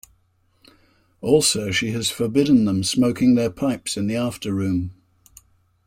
Also, she has forbidden them smoking their pipes in the after-room.